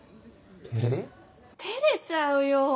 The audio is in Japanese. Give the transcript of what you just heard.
照れちゃうよ！